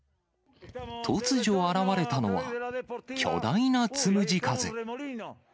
突如、現れたのは、巨大なつむじ風。